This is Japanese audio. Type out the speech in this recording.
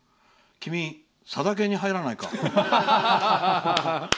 君、さだ研に入らないか？